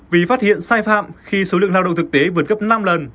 vì phát hiện sai phạm khi số lượng lao động thực tế vượt gấp năm lần